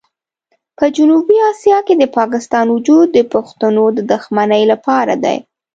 په جنوبي اسیا کې د پاکستان وجود د پښتنو د دښمنۍ لپاره دی.